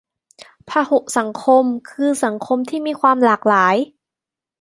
พหุสังคม คือสังคมที่มีความหลากหลาย